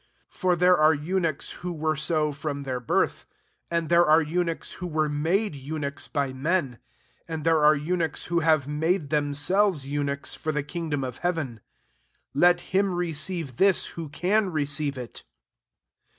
12 For there are eunuchs, who were so from their birth ; and there are eu^ nuchs, who were made eunuchs by men ; uid there are eunuchs^ who have made themselves eu nuchs for the kingdom of hea ven. Let him receive thia, who can receive it.